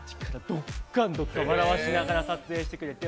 ドッカン笑わせながら撮影してくれて